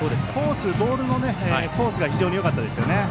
ボールのコースが非常によかったですよね。